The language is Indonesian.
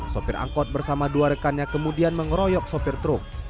sopir angkot bersama dua rekannya kemudian mengeroyok sopir truk